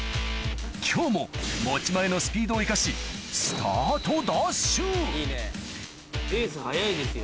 今日も持ち前のスピードを生かしスタートダッシュいいね。